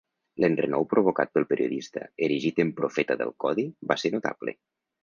L'enrenou provocat pel periodista, erigit en profeta del codi, va ser notable.